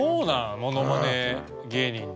ものまね芸人に？